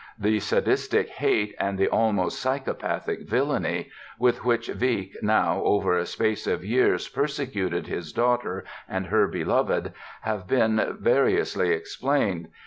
The sadistic hate and the almost psychopathic villainy with which Wieck now over a space of years persecuted his daughter and her beloved have been variously explained.